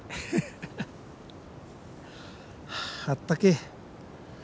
あったけえ。